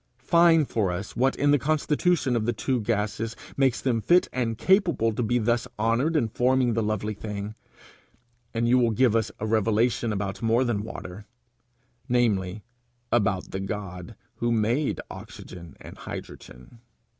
Find for us what in the constitution of the two gases makes them fit and capable to be thus honoured in forming the lovely thing, and you will give us a revelation about more than water, namely about the God who made oxygen and hydrogen.